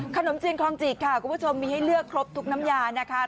ขนมจีนคลองจิกค่ะคุณผู้ชมมีให้เลือกครบทุกน้ำยานะคะ